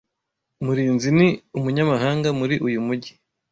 Murinzi ni umunyamahanga muri uyu mujyi.